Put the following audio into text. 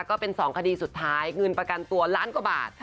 ก็เป็น๒คดีสุดท้ายเงินประกันตัวล้านกว่าบาท